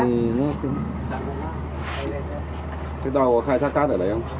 cái tàu có khai thác cát ở đấy không